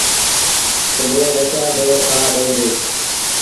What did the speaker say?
پنڊري ٻچآݩ تي سآه ڏي ديٚ۔